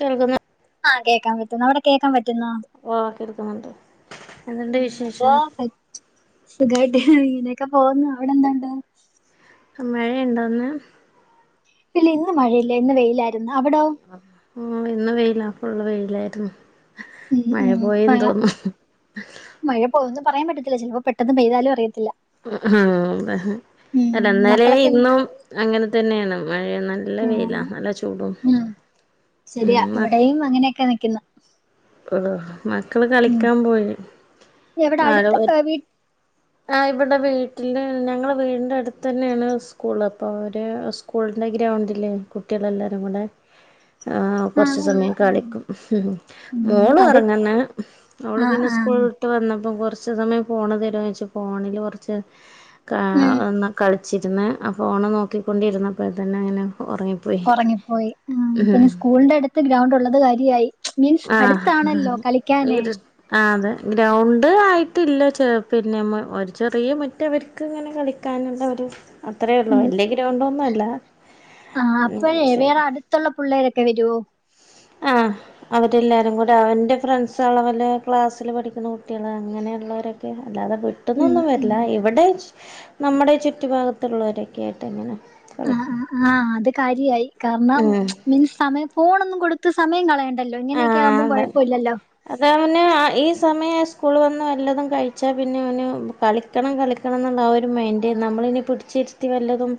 കേൾക്കുന്നു. ആഹ് കേൾക്കാൻ പറ്റുന്നു അവിടെ കേൾക്കാൻ പറ്റുന്നോ. ഓ കേൾക്കുന്നുണ്ട് എന്തുണ്ട് വിശേഷം. സുഖമായിട്ട് ഇങ്ങനെയൊക്കെ പോകുന്നു അവിടെ എന്താണ്ട്. മഴയുണ്ടോ ഇന്ന്? ഇല്ല ഇന്ന് മഴയില്ല ഇന്ന് വെയിലായിരുന്നു അവിടോ? ആ ഇന്ന് വെയില ഫുള്ള് വെയിലായിരുന്നു ഉം മഴ ഉം പോയെന്ന് മഴ തോന്നുന്നു. മഴ പോകുന്ന് പറയാൻ പറ്റത്തില്ല, ചിലപ്പോ പെട്ടെന്ന് പെയ്താലും അറിയത്തില്ല. ആഹ് ഉം അതെ അല്ല ഇന്നാലേ മക്കളൊക്കെ എന്ത്? ഇന്നും അങ്ങനെ തന്നെയാണ് മഴയ നല്ല നല്ല ഉം വെയില നല്ല ചൂടും ഉം ശരിയാ ഉം ഇവിടെയും അങ്ങനെയൊക്കെ നിൽക്കുന്നു. ആഹ് മക്കള് ഉം കളിക്കാൻ പോയി എവിടെ നാളെ അടുത്ത വീ ആഹ് ഇവിടെ വീട്ടില് ഞങ്ങളെ വീടിന്റെ അടുത്ത് തന്നെണ് സ്കൂൾ അപ്പോ അവര് സ്കൂളിൻ്റെ ഗ്രൗണ്ടിൽ കുട്ടികളെല്ലാവരും കൂടെ ആഹ് കുറച്ച് ആഹ് സമയം ആഹ് കളിക്കും. ഉം മോള് അത് ഇറങ്ങന്നെ മോള് ആഹ് പിന്നെ ആഹ് സ്കൂൾ ട്ട് വന്നപ്പോ കുറച്ച് സമയം ഫോൺ തരോ ചോയ്ച്ചു ഫോണിൽ കുറച്ച് കാ ഉം കളിച്ചിരുന്ന് ആ ഫോണ് നോക്കിക്കൊണ്ടിരുന്നപ്പോൾ തന്നെ അങ്ങനെ ഉറങ്ങി പോയി. ഉറങ്ങിപ്പോയി പിന്നെ സ്കൂളിന്റെ അടുത്ത് ഗ്രൗണ്ട് ഉള്ളത് കാര്യായി. മീൻസ് അടുത്താണല്ലോ കളിക്കാന്. ആ അതെ ഗ്രൗണ്ട് ആയിട്ടില്ല, ചെ പിന്നെ ഒരു ചെറിയ മുറ്റംവർ ക്ക് ങ്ങനെ കളിക്കാനുള്ള ഒരു അത്ര ഉള്ളൂ ഉം വല്യ ഗ്രൗണ്ടൊന്നും അല്ല. ത്തുള്ള പിള്ളേരൊക്കെ വരോ. ആഹ് അവരെല്ലാവാരും കൂടി അവന്റെ ഫ്രണ്ട്സ് അളവല് ക്ലാസ്സിൽ പഠിക്കുന്ന കുട്ടികൾ അങ്ങനെയുള്ളവരൊക്കെ അല്ലാതെ വി ഉം വിട്ടുന്നൊന്നും ഉം വരില്ല ഇവിടെ നമ്മുടെ ചുറ്റു ഭാഗത്തുള്ളവരൊക്കെയായിട്ട് അങ്ങനെ ആഹ് കളിക്കും. ആഹ് അത് കാര്യായി കാരണം ഉം മീൻസ് സമയം ഫോണൊന്നും കൊടുത്ത് സമയം കളയണ്ടല്ലോ ഇങ്ങനെ ഒക്കെ ആകുമ്പോ ആഹ് അതെ കുഴപ്പല്ലല്ലോ. അത് അവന് ഈ സമയം സ്കൂൾ വന്ന് വല്ലതും കഴിച്ചാ പിന്നെ അവന് കളി കളിക്കണം കളിക്കണം എന്നുള്ള ആ ഒരു മൈൻഡ് നമ്മളിനി പിടിച്ചിരുത്തി വല്ലതും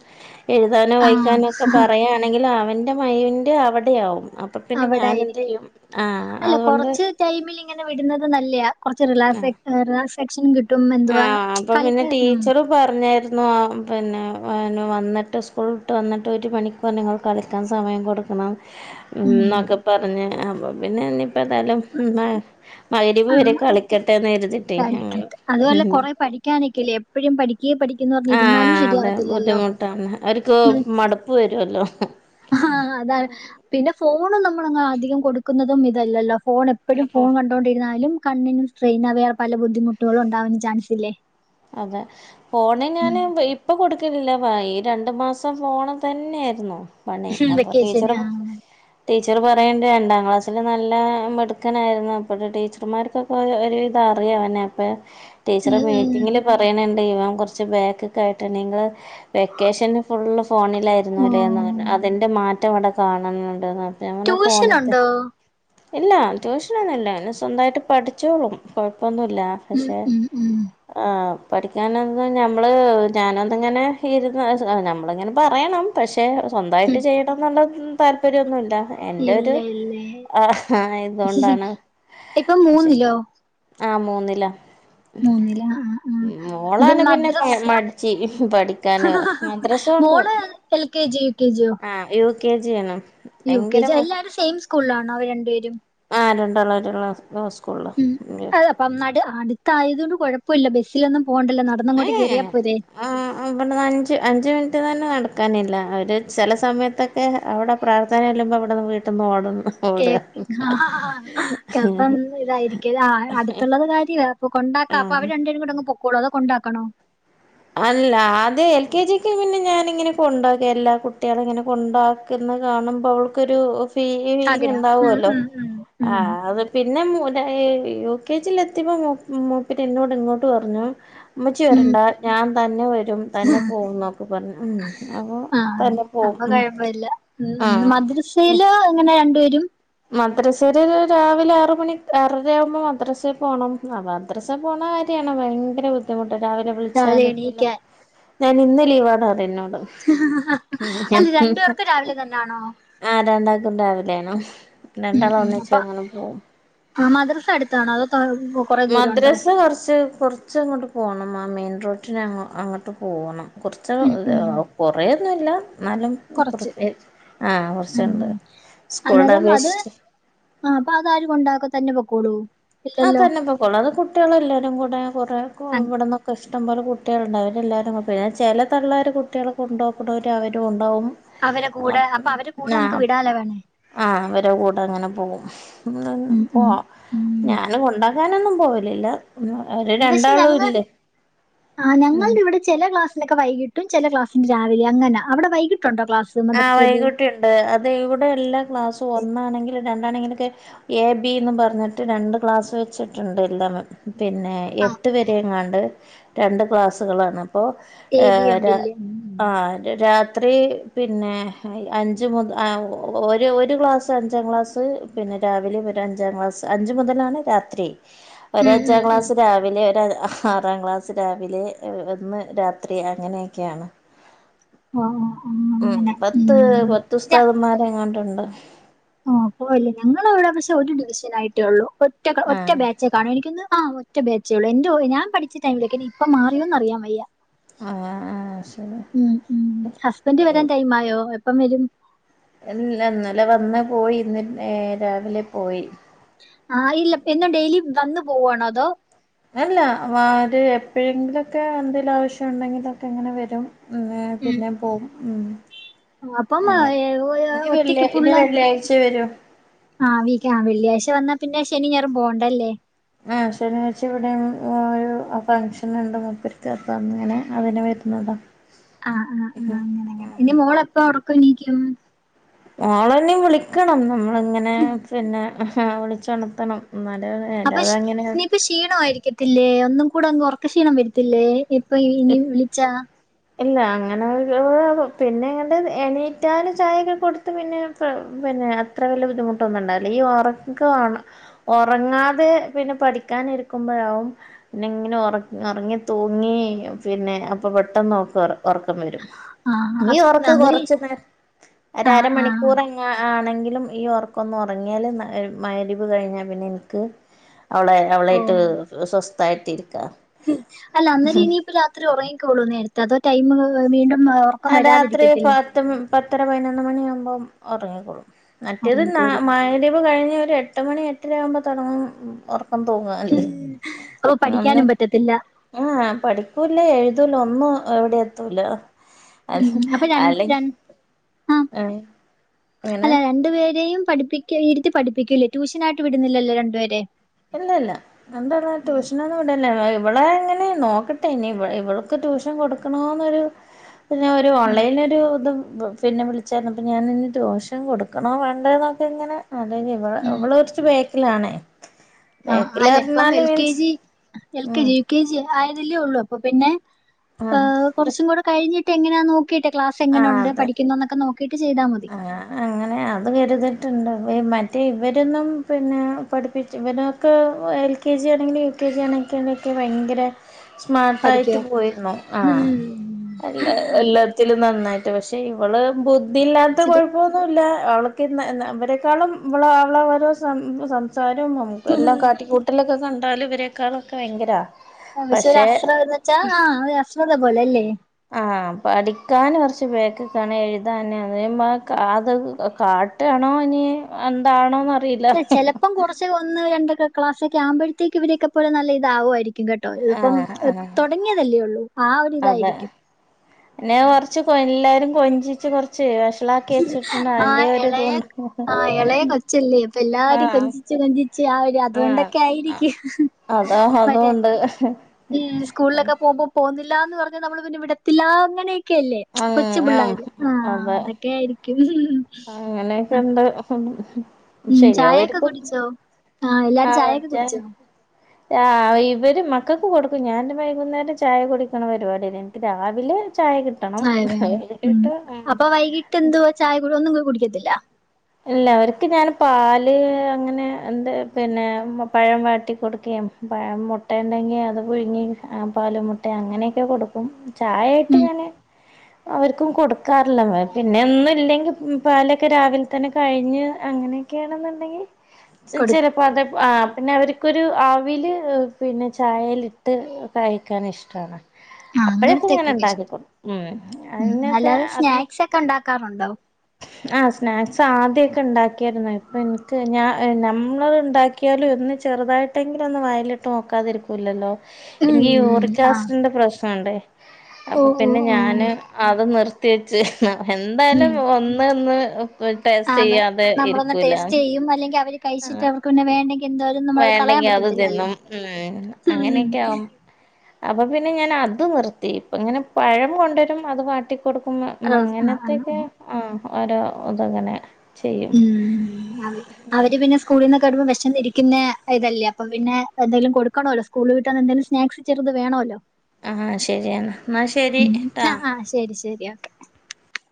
എഴുതാനോ ആഹ് വായിക്കാനോ ഒക്കെ പറയാണെങ്കിൽ അവൻ്റെ മൈൻഡ് അവിടെയാവും. അപ്പോ പിന്നെ ഞാനെന്ത് അവിടായിരിക്കും ചെയ്യും. ആഹ് അല്ല അതുകൊണ്ട് കൊറച്ച് ടൈമിൽ ഇങ്ങനെ വിടുന്നത് നല്ലയാ, കുറച്ച് റിലാക്സ് ആഹ് റിലാക്സെക്ഷനും കിട്ടും. കിട്ടും എന്തുവാ ആഹ് അപ്പൊ പിന്നെ കളിക്ക' ' [unintelligible] ടീച്ചറ് പറഞ്ഞായിരുന്നു ആ പിന്നെ വന്നിട്ട് സ്കൂൾ വിട്ട് വന്നിട്ട് ഒരു മണി അപ്പാ നിങ്ങൾ കളിക്കാൻ സമയം കൊടുക്കണം. ഉം ഇന്നൊക്കെ പറഞ്ഞ് അപ്പോ പിന്നെ ഇഞ്ഞിപ്പോ ഏതാലും ന്നാ മഗ്രിബ് വരെ കളിക്കട്ടെന്ന് കരുതിട്ട് അങ്ങനെ അതും അല്ല കുറെ പഠിക്കാൻ നിക്കല്ലേ എപ്പോഴും പഠിക്ക് പഠിക്കിന്ന് പറഞ്ഞ് ഇരുന്നാലും ശ ആഹ് അതെ ബുദ്ധിമുട്ടാണ് അവർക്ക് മടുപ്പ് വരുല്ലോ. ആഹ് അതാണ് പിന്നെ ഫോൺ നമ്മളങ്ങനെ അധികം കൊടുക്കുന്നതും ഇതല്ലല്ലോ ഫോൺ എ എപ്പോഴും അപ്പൊ ഫോൺ കണ്ടുകൊണ്ടിരുന്നാലും കണ്ണിനും സ്ട്രെയിനും അവേറെ പല ബുദ്ധിമുട്ടുകളും ഉണ്ടാവാൻ ചാൻസില്ലേ. അതെ ഫോണ് ഞാന് ഇപ്പോ കൊടുക്കലില്ല വാ ഈ രണ്ടു മാസം ഫോണ് തന്നെയായിരുന്നു. പണി, ഉം അപ്പോ വെക്കേഷൻ ടീച്ചറും ആഹ് ടീച്ചർ പറയണ്ട് രണ്ടാം ക്ലാസ്സില് നല്ല മിടുക്കനായിരുന്നു, അപ്പോഴും ടീച്ചർമാർക്കൊ ക്ക് ഒരുവിധം അറിയാ ഓനെ അപ്പോ ടീച്ചറെ ഉം മേ ഉം പറയണണ്ട് ഇവൻ കുറച്ച് ബാക്കിക്കായ്ട്ടണ്ട് നിങ്ങൾ വെക്കേഷന് ഫുള്ള് ഫോണിലായി 'രുന്നു ലേന്ന് പറഞ്ഞ് ഓഹ് അതിന്റെ മാറ്റം അവിടെ കാണുന്നുണ്ട് ന്നർ ഞ്ഞ് അങ്ങനെ ഫോൺ ട്യൂഷൻ എടുത്ത് ഉണ്ടോ ഇല്ല ട്യൂഷനൊന്നുല്ല, അവന് സ്വന്തായിട്ട് പഠിച്ചോളും കൊഴപ്പൊന്നുല്ല, ഉം പക്ഷേ ഉം ഉം ആ പഠിക്കാനന്ന് നമ്മള് ഞാനന്തങ്ങനെ ഇരുന്ന് നമ്മളെങ്ങനെ പറയണം. പക്ഷെ സ്വന്തമായിട്ട് ഉം ചെയ്യണം എന്നുള്ള താല്പര്യമൊന്നുമില്ല എന്റെ ഇല്ല ഒരു ഇല്ലേ ആ ഇപ്പൊ ഇതുകൊണ്ടാണ്ക്ഷെ മൂന്നിലോ ആഹ് മൂന്നില്ല മൂന്നില് ആഹ് ആഹ് മോളാണ് പിന്നെ മദ്രസ് മടിചി പഠിക്കാന് മദ്രസ ഉണ്ടോ മോള് L K G U K ജിയോ ആഹ് യു കെ ജി ആണ് യു കെ ഭയങ്കര ജി എല്ലാവരും സെയിം സ്കൂളിലാണോ അവ രണ്ടുപേരും ആഹ് രണ്ടാളാരു ഒരു സ്കൂളില അതെ അപ്പം അടുത്തായതുകൊണ്ട് കൊഴപ്പമില്ല ബസ്സിലൊന്നും പോണ്ടല്ലോ നടന്നങ്ങോട്ട് കയറിയാ ഏഹ് പോരെ ആഹ് അഞ്ച് അഞ്ച് മിനിറ്റ് തന്നെ നടക്കാനില്ല അവര് ചില സമയത്തൊക്കെ അവിടെ പ്രാർത്ഥനയല്ലുമ്പോ ഇവിടെന്ന് വീട്ടിൽന്ന് ഓടുന്നു ഓട ആഹ് കപ്പം ഇതായിരിക്ക ആഹ് അടുത്തുള്ളത് കാര്യ അപ്പൊ കൊണ്ടാക്കാം അപ്പ ആഹ് അവരണ്ടേരും കൂടെ അങ്പൊക്കോളൂ അതോ കൊണ്ടാക്കണോ അല്ല ആദ്യ എൽ കെ ജിക്ക് പിന്നെ ഞാനിങ്ങനെ കൊണ്ടക എല്ലാ കുട്ടികളും ഇങ്ങനെ കൊണ്ട കാണുമ്പോ അവൾക്കരു ഫീലിങ് ആഗ്രഹം ഉം ഉണ്ടാവുമല്ലോ ഉം ഉം ഉം ആഹ് അത് പിന്നെ യു കെ ജിൽ എത്തിയപ്പോ മോപ്പര് എന്നോട് ഇങ്ങോട്ട് പറഞ്ഞു ഉമ്മചി ഉം വരണ്ടാ ഞാൻ തന്നെ വരും തന്നെ പോവും എന്നൊക്കെ പറഞ്ഞു ഉം അപ്പൊ ആ അത് തന്നെ അപ്പൊ പോവും കൊഴപ്പമില്ല ഉം ആഹ് മദ്രസയില് ഇങ്ങനെ രണ്ടപേരും മദ്രസയില രാവിലെ ആറ മണി ആറര ആവുമ്പോ മദ്രസയിൽ പോണം അവാ മദ്രസ പോണ കാര്യാണ് ഭയങ്കര ബുദ്ധിമുട്ട് രാവിലെ രാവിലെ വിളിച്ചക്ക എണീക്കാൻ ഞാൻ ഇന്ന് ലീവാണ് അറ എന്നോട് അല്ല രണ്ടു പേർക്ക് രാവിലെ തന്നൊണോ ആഹ് രണ്ടാക്കും രാവിലെയണോ ഉം ഉം അപ്പൊ ആ മദ്രസ അടുത്താണോ അതോ കൊറേ ദൂരം ഉണ്ടോ മദ്രസ കുറച്ച് കൊറ കുറച്ചങ്ങോട്ട് പോകണം ആ മെയിൻ റോട്ടന്ങ് അങ്ങോട്ട് പോകണം കുറച്ച് ഉം ഉം കുറേയൊന്നുല്ല എന്നാലും കൊറച്ച് കുറച്ച് ആഹ് ഉം കുറച്ചുണ്ട് സ്കൂളുടെ അന്നേരം അത് അപേക്ഷിച്ച് ആഹ് അപ്പ അതാരും കൊണ്ടാക്ക തന്നെ പൊക്കോളൂ ആഹ് ഇല്ലല്ലോ തന്നെ പൊക്കള്ളൂ അത് കുട്ടികളെല്ലാരും കൂടെ കുറ അങ് ഇവിടെന്ന് ഒക്കെ ഇഷ്ടംോലെ കുട്ടികളുണ്ടാവ അവും എല്ലാവരുംെ പിന്നെ ചില തള്ളർ കുട്ടികളൊെ കൊണ്ടുോക്കുന്നവ അവും ഉണ്ടാവും അവരെ കൂടെ അപ്പൊ അവരെ കൂടെ നമുക്ക് ആഹ് വിടാലെ വേണേ ആഹ് അവരു കൂടെ അങ്ങനെ പോകും ഉം ഉം പോവാ ഉം ഞാനും കൊണ്ടാക്കാനൊന്നും പോവലില്ല ഉം ഒരു പക്ഷെ ഞങ്ങ രണ്ടാളുംല്ലേ ആഹ് ഉം ഞങ്ങളുടെ ഇവിടെ ചില ക്ലാസിലൊക്കെ വൈകിറ്റും ചില ക്ലാസിന്റെ രാവിലെ അങ്ങെനാ അവിട വൈകിട്ടുണ്ടോ ക്ലസ് ആ ഹ് വൈകുട്ടി ഉണ്ട് അത് ഇവിടെ എല്ലാ ക്ലാസ്സും ഒന്നാണെങ്കിലും രണ്ടാണെങ്കിലൊക്കെ എ ബിന്ന് പറഞ്ഞിട്ട് രണ്ട് ക്ലാസ് വെച്ചിട്ടുണ്ട് എല്ലാം പിന്നെ ആഹ് എട്ട് വര എങ്ങാണ്ട് രണ്ട് ക്ലാസുകളാണ് അപ്പോൾ എ ബി ഏഹ് രാ ഉണ്ടില്ലേ ഉം ആഹ് രാത്രി പിന്നെ അഞ്ച് മുത ഒരു ഒരു ഗ്ലാസ് അഞ്ചാം ക്ലാസ് പിന്നെ രാവിലെ ഒരു അഞ്ചാം ക്ലാസ്സ് അഞ്ച് മുതലാണ് രാത്രി ഒര് ഉം അഞ്ചാം ഉം ഉം ഉം ക്ലാസ് രാവിലെ ഒരു ആറാം ക്ലാസ് ബസ് രാവിലെ ഒന്ന് രാത്രി അങ്ങനെയൊക്കെയാണ് ആഹ് ഉം ഉം പത്ത് പത്ത് ഉസ്താദന്മാരെങ്ങോണ്ടുണ്ട് ഓഹ് പോവല്ലേ ഞങ്ങവിടെ പക്ഷെ ഒരു ഡിവിഷൻ ആയിട്ടേ ഉള്ളൂ ഒറ്റ ഒറ്റ ആഹ് ബാച് ചാണ്. എനിക്കൊന്ന് ആഹ ഒറ്റ ബേച്ചേയൊള്ളു എന്റെ ഓ ഞാൻ പഠിച്ച ടൈമിലേക്ക്. ഇനി ഇപ്പ മാറിയോന്ന് അറിയാൻ വയ്യ. ആഹ് ആഹ് ശരി ഉം ഉം ഹസ്ബൻഡ് വരാൻ ടൈം ആയോ, എപ്പം വരും? എ ന്ന് ല്ല ഇന്നലെ വന്ന് പോയി ഇന്ന് നേ രാവിലെ പോയി. ആഹ് ഇല്ല പിന്നെ ഡെയിലി വന്നു പോവാണോ അതോ അല്ല വാര് എപ്പഴെങ്കിലൊക്കെ എന്തെലു ആവശ്യണ്ടെങ്കിലൊക്കെ ഇങ്ങനെ വരും. മേ ഉം പിന്നെ പോവും ഉം. അപ്പം ആ, അങ്ങൻ. ഏ, ഒ- ഇനി ഒറ്റയ്ക്ക് വെള്ളിയ ഇനി വെള്ളിയാഴ്ച്ചെ വരു. ആഹ് വീക്കാം വെള്ളിയാഴ്ച്ച വന്നാ പിന്നെ ശനിം ഞായറും പോവണ്ടല്ലേ. ആഹ് ശനിയാഴ്ച്ച ഇവടെ ഒരു ഫംഗ്ഷൻ ണ്ട് മുപ്പര്ക്ക്. അപ്പങ്ങനെ അതിന് വര്നതാ. ആഹ് ആഹ് ആഹ് അങ്ങനെങ്ങനെ ഇനി മോളെപ്പൊ ഒറക്കെണീക്കും. ഓളെനി വിളിക്കണം നമ്മള്ങ്ങനെ പിന്നെ വിളിച്ചൊണത്തണം. ഇന്നാലെ അപ്പഷ് ഇനി പ്പൊ ക്ഷീണവായിരിക്കത്തില്ലേ ഒന്നും കൂടെ അങ്ങ് ഒറക്ക് ക്ഷീണം വരത്തില്ലേ. ഇ പ്പ ഇ ഇനി വിളിച്ചാ. ഇല്ല അങ്ങനെ ഓരോന്നും പിന്നെങ്ങട്ട് എണീറ്റാല് ചായൊക്കെ കൊടുത്ത് പിന്നെ ക്ക പിന്നെ അത്ര വലിയ ബുദ്ധിമുട്ടൊന്നും ണ്ടാവില്ല ഈ ഒറക്ക ആണ് ഒറങ്ങാതെ പിന്നെ പഠിക്കാനിരിക്കുമ്പഴാവും പിന്നങ്ങനെ ഒറങ് ഒറങ്ങി തൂങ്ങി പിന്നെ അപ്പൊ പെട്ടെന്ന് ഓക്ക് ഒ ഒറക്കം വരും. ആ ഇനി അപ്പൊ ഒറക്ക് അന്നേരം കൊറച്ച് നെ ആ ആ ഒരരമണിക്കൂറെ ന്നെ ആണെങ്കിലും ഈ ഒർക്കൊന്ന് ഒറങ്ങിയാല് മഅ് മഹ് രിബ് കഴിഞ്ഞാ പിന്നെ ഇൻക്ക്, അവളെ ഓ അവളേയ്ട്ട് സ്വസ്ഥായ്ട്ടിരിക്കാ. അല്ല അന്നേരം ഇനിയിപ്പോ രാത്രി ഒറങ്ങിക്കോള്ളൂ ഈ നേരത്ത് അതോ ടൈമ് വീണ്ടും നോ അഹ് രാത്രി പത്തും മ് പത്തര പയ്നൊന്ന് മണിയാവുമ്പം ഒറങ്ങിക്കോളും മറ്റേത് നാ ഉറങ്ങിക്കോളൂ മഹ്‌രിബ് കഴിഞ്ഞ് ഒരു എ ട്ട് മണി എട്ടരയാവുമ്പോ തൊടങ്ങും ഒറക്കം തൂങ്ങാല് ഓ ഒന്ന് പഠിക്കാനും പറ്റത്തില്ല ഉം ആഹ് പഠിക്കൂല്ല എഴുതൂല്ല ഒന്നു എവ്ടി എത്തൂല്ല. ഉം അപ്പൊ രൺ രൺ ആഹ് ഏഹ് അല്ല എങ്ങനെ രണ്ടു പേരെയും പഠിപ്പി ക്കെ ഇരുത്തി പഠിപ്പിക്ക്യുല്ലെ ട്യൂഷനായിട്ട് വിടുന്നില്ലല്ലോ രണ്ടുപേരെം. ഇല്ലല്ല രണ്ടാളെം ട്യൂഷ് നൊന്നും വിടല്ല. വ ഇവളെ എങ്ങനെ നോക്കട്ടെ ഇനി ഇവ ഇവൾക്ക് ട്യൂഷൻ കൊടുക്കണോന്നൊരു പിന്നെ ഒരു ഉം, ഓൺലൈൻ ഒരു തും പിന്നെ വിളി ച്ചാര്ന്നു. അപ്പം ഞാനിനി റ്റൂഷൻ കൊടുക്കണോ വേണ്ടേന്നൊക്കെങ്ങനെ അതേ ഞ്ഞി വ ഉം. അവള് കൊർച്ച് വേ ക്കിലാണേ. ആഹ് അല്ലെ ഇപ്പം L K G, L K ഉം ജി കെ ജി ആയതല്ലേ ഒള്ളൂ അപ്പൊ പിന്നെ ആഹ് ഏഹ് കൊർച്ചും കൂടെ കഴിഞ്ഞിട്ട് എങ്ങനാ നോ ക്കീട്ടേ ക്ലാസ് എങ്ങനെ ആഹ് ഉണ്ട് അതെ പഠിക്കുന്നോന്നൊക്കെ നോക്കിട്ട് ചെയ്താ മതി. ഏഹ് അത് കരുതിറ്റ്ണ്ട്. വെ മറ്റേ ഇവരൊന്നും പിന്നെ പഠിപ്പിച്ച് ഇവനൊ ക്ക് എർ എൽ കെ ജി ആണെങ്കിലു യു കെ ജി ആണെങ്ങ് തന്നെ പ്പ വയ്ങ്കര സ്മാർട്ട് ആയിട്ട് പഠിക്കുവാൻ പോയിരുന്നു. ആഹ് ഉം, എല്ല എല്ലാ ത്തിലും നന്നായിട്ട് പക്ഷെ ഇവള് ബുദ്ധില്ലാത്ത ശരി കൊഴ് പ്പൊന്നുല്ല. അവള്ക്ക്ന്ന ന്ന ഇവരെക്കാളും വ്വള അവള ഓരോ സം സംസാരും മം എല്ലാ കാട്ടിക്കൂട്ടലൊക്കെ കണ്ടാല് ഇവരെക്കാളു ഒക്കെ വയങ്കരാ. ആഹ് പക്ഷെ അശ്ര ന്ന് വച്ചാ ആഹ് ഒരു അശ്രദ്ധ പോലെ അല്ലേ. ആഹ് പഠിക്കാന് കൊർച്ച് ബേക്കിക്കാണ് എഴുതാന് [unintelligible] കാ ട്ടാണോ ഇനി എന്താണോ ന്ന എ ചെലപ്പം കൊറച്ച് ഒന്ന് എൻ്റെക്കെ ക്ലാസ്സൊക്കെ ആമ്പഴ്ത്തേക്ക് ഇവരെക്കെ പ്പഴും നല്ല ഇതാവു ആയിരി ക്യും. കെട്ടൊ ഇപ്പം ആഹ് ആഹ് തൊടങ്ങിയതല്ലേ ഒള്ളൂ ആ ഒര് ഇതായിരിക്കും ച്ച് പ്പെല്ലാരും കൊഞ്ചിച്ച് കൊർച്ചേ ആഹ് എളയെ ആഹ് എളയെ കൊച്ചല്ലേ പ്പ എല്ലാരിം ആഹ് കൊഞ്ചി ച്ച് കൊഞ്ചിച്ച് ആ ഒരു ആഹ് അതുകൊണ്ടൊക്കെ ആയിരിക്കു അതാ മറ്റേ അതുകൊണ്ട് ഉം സ്കൂളിലൊക്കെ പോമ്പോ പോന്നില്ലാന്ന് പറഞ്ഞ് നമ്മള് പിന്നെ വിടത്തില്ലാ അങ്ങനെ ക്കെല്ലേ ആഹ് കൊച്ചു ആഹ് പിള്ളാര് ആ അതെ അതൊക്കെ ആയിരിക്കും അങ്ങനെയൊക്കെണ്ട് ഉം, ശരിയാവു ചായയൊക്കെ ആയിരിക്കും. കുടിച്ചോ ആ എല്ലാരും അങ്ങൻ ചായയൊക്കെ തൻ കുടിച്ചോ ആഹ് ഇവര് മക്കക്ക് കൊടുക്കും. ഞാന് വൈകുന്നേരം ചായ കുടിക്കണ പരിപാടിയെന്നെ രാവിലെ ചായ കിട് ചായ വേണം. ഉം അപ്പൊ വൈകിട്ടെന്തുവാ ചായ കുടെ ഒന്നും കുടിക്കത്തില്ല. ഇല്ല അവർക്ക് ഞാൻ പാല് അങ്ങനെ എന്ത് പിന്നെ പഴം വാട്ടി കൊടുക്കുകയും. പഴം മുട്ട ഉണ്ടെങ്കി അത് പുഴുങ്ങി ആ പാലും, മുട്ട അങ്ങനെയൊക്കെ കൊടുക്കും. ഉം, ചായായിട്ട്ങ്ങനെ അവർക്കും കൊടുക്കാറില്ല. പിന്നെ ന്നുംല്ലെങ്കിൽ പാലൊക്കെ രാവിൽ തന്നെ കഴിഞ്ഞ്, അങ്ങനെയൊക്കെയാണെന്നുണ്ടെങ്കിൽ കൊടുക്കും ചിലപ്പോ അത് ആഹ് പിന്നെ അവർക്കൊരു അവില് പിന്നെ ചായേലിട്ട് കഴിക്കാൻ ഇഷ്ടമാണ്. ആഹ് അപ്പഴൊക്കെ ഇങ്ങനെ അങ്ങനത്തെക്കൊക്കെ ഇഷ്ടം ഉണ്ടാക്കിക്കൊണ്ട്, ഉം അയ്നൊക്കെ അതിന് പ്പ ണ്ടാക്കാറുണ്ടോ ആഹ് സ്നാക്സ് ആദ്യക്കെ ണ്ടാക്കിരുന്നു. ഇപ്പൊ ഇൻക്ക് ഞ നമ്മള് ഉണ്ടാക്കി ക്യാലു ഒന്ന് ചെറുതായിട്ടെങ്കിലും ഒന്ന് വായിലിട്ട് നോക്കാതിരിക്കൂല്ലല്ലോ?. ഉം എനിക്ക് യൂറിക് ആഹ് ആസിഡിന്റെ പ്രശ്നണ്ടേ, ഓ അപ്പൊ ഓ പിന്നെ ഓ ഞാന് അത് നിർ ത്തിയെച്ച്, എന്തായാലും ഉം ഒന്നൊന്ന് ടെസ്റ്റെയ്യാതെ ഇരിക്കൂല ക്കും അല്ലെങ്കി അവര് കഴിചിട്ട് ആഹ് അവർക്ക് പിന്നെ വേണ്ടെങ്കി എന്തൊ വേണ്ടെങ്കി അത് തിന്നും. ഉം ഉം അങ്ങനെയൊക്കെ ആകും. അപ്പൊ പിന്നെ ഞാനത് നിർത്തി. ഇപ്പ ഇങ്ങനെ പഴം കൊണ്ടുവരും അത് വാട്ടി കൊടുക്കും. റോസ് ആഹ് ആഹ് അങ്ങനത്തൊക്കെ ആ ഓരോ ഇതങ്ങനെ ചെയ്യും. ഉം അവര് പിന്നെ സ്കൂളിൽ നിന്ന് വമ്പോൾ വെശന്നിരിക്കുന്നെ ഇതല്ലേ, അപ്പൊ പിന്നെന്തെങ്കിലും കൊടുക്കണല്ലോ?. സ്കൂൾ വിട്ടന്ന എന്തേലും സ്നാക്സ് ചെറുത് വേണല്ലോ?. ആ ശരിയെന്നാ എന്നാ ശരി ഉം അ ട്ടാ ആഹ് ശരി ശരിയാ